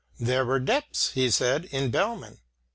There were depths, he said, in Bellmann.